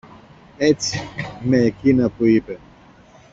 Έτσι, μ' εκείνα που είπε.